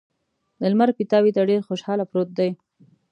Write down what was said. د لمر پیتاوي ته ډېر خوشحاله پروت دی.